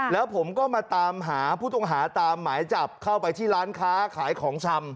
แล้วผมก็มาตามหาผู้ต้องหาตามหมายจับเข้าไปที่ร้านค้าขายของชำ